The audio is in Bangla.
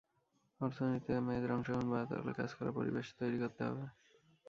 অর্থনীতিতে মেয়েদের অংশগ্রহণ বাড়াতে হলে কাজ করার পরিবেশে তৈরি করতে হবে।